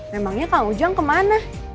memangnya kang ujang kemana